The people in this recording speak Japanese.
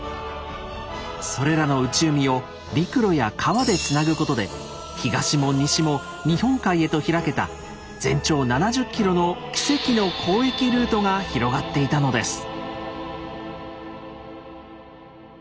それらの内海を陸路や川でつなぐことで東も西も日本海へと開けた全長７０ｋｍの「奇跡の交易ルート」が広がっていたのです。